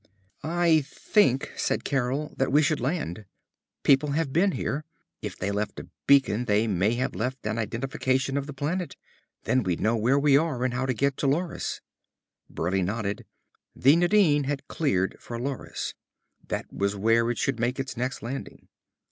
"I think," said Carol, "that we should land. People have been here. If they left a beacon, they may have left an identification of the planet. Then we'd know where we are and how to get to Loris." Burleigh nodded. The Nadine had cleared for Loris. That was where it should make its next landing.